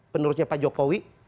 penerusnya pak jokowi